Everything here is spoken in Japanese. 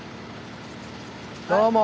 どうも。